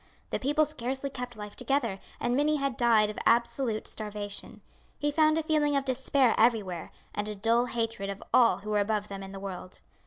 The people scarcely kept life together, and many had died of absolute starvation. He found a feeling of despair everywhere, and a dull hatred of all who were above them in the world.